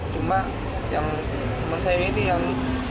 cuma yang mencari ini yang